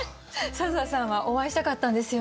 笹さんはお会いしたかったんですよね？